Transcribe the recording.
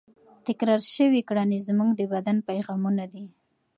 تکرار شوې کړنې زموږ د بدن پیغامونه دي.